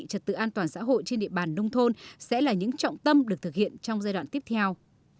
trật tự an toàn xã hội trên địa bàn nông thôn sẽ là những trọng tâm được thực hiện trong giai đoạn tiếp theo